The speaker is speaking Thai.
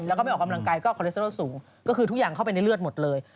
เอาทุกอย่างเข้าไปในเลือดหมดเลย